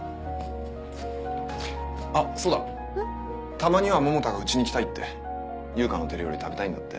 たまには百田が家に来たいって悠香の手料理食べたいんだって。